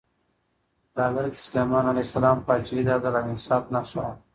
د حضرت سلیمان علیه السلام پاچاهي د عدل او انصاف نښه وه.